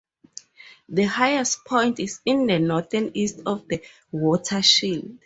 The highest point is in the northeast of the watershed.